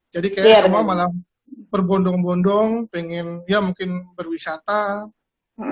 jadi kayak semua malah berbondong bondong pengen ya mungkin berbondong bondong